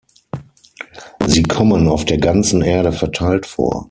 Sie kommen auf der ganzen Erde verteilt vor.